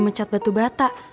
mecat batu bata